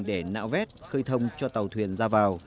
để nạo vét khơi thông cho tàu thuyền ra vào